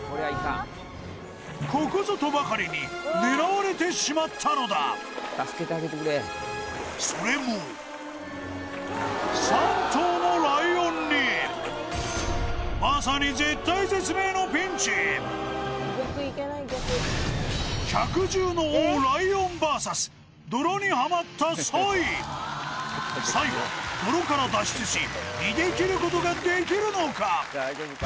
ここぞとばかりに狙われてしまったのだそれもまさにサイは泥から脱出し逃げ切ることができるのか？